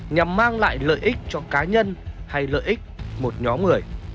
nhằm mang lại lợi ích cho cá nhân hay lợi ích một nhóm người